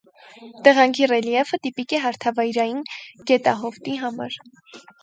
Տեղանքի ռելիեֆը տիպիկ է հարթավայրային գետահովտի համար։